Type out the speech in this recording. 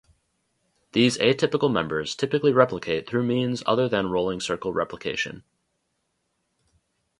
These atypical members typically replicate through means other than rolling circle replication.